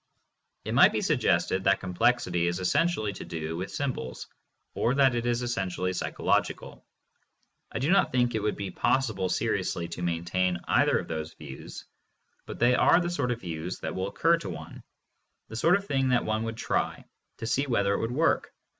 It might be suggested that complexity is essentially to do with symbols, or that it is essentially psychological. I do not think it would be possible seriously to maintain either of these views, but they are the sort of views that will occur to one, the sort of thing that one would try, to see whether it would work.